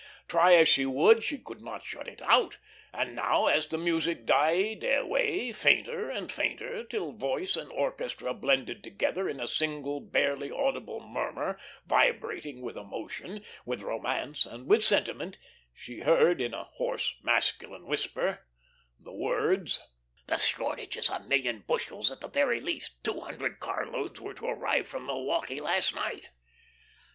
Try as she would, she could not shut it out, and now, as the music died away fainter and fainter, till voice and orchestra blended together in a single, barely audible murmur, vibrating with emotion, with romance, and with sentiment, she heard, in a hoarse, masculine whisper, the words: "The shortage is a million bushels at the very least. Two hundred carloads were to arrive from Milwaukee last night."